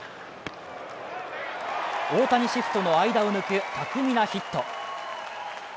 大谷シフトの間を抜く巧みなヒット。